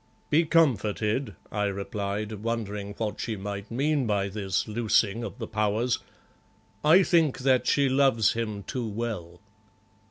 "Be comforted," I replied, wondering what she might mean by this loosing of the Powers. "I think that she loves him too well."